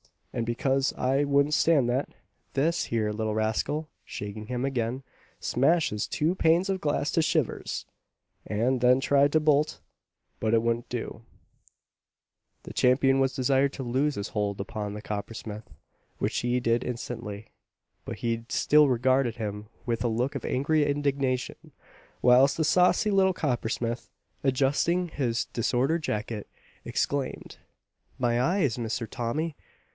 and because I wouldn't stand that, this here little rascal (shaking him again) smashes two panes of glass to shivers, and then tried to bolt, but it wouldn't do." The Champion was desired to loose his hold upon the coppersmith, which he did instantly; but he still regarded him with a look of angry indignation, whilst the saucy little coppersmith, adjusting his disordered jacket, exclaimed, "My eyes, Mister Tommy!